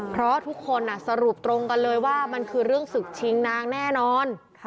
เพราะทุกคนสรุปตรงกันเลยว่ามันคือเรื่องศึกชิงนางแน่นอน